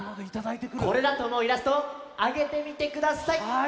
これだとおもうイラストをあげてみてください！